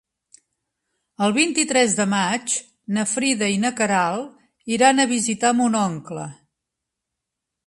El vint-i-tres de maig na Frida i na Queralt iran a visitar mon oncle.